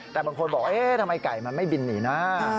แต่บางคนบอกเอ๊ะทำไมไก่มันไม่บินหนีนะ